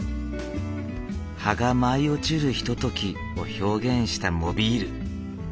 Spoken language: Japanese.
葉が舞い落ちるひとときを表現したモビール。